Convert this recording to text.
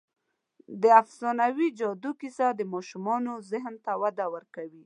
د افسانوي جادو کیسه د ماشومانو ذهن ته وده ورکوي.